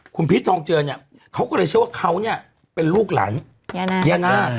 คุณพีชทองเจือเนี่ยเขาก็เลยเชื่อว่าเขาเนี่ยเป็นลูกหลานย่านาค